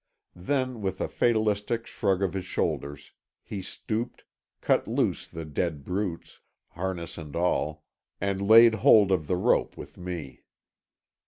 Then, with a fatalistic shrug of his shoulders, he stooped, cut loose the dead brutes, harness and all, and laid hold of the rope with me.